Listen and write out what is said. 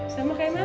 sama kayak mama dek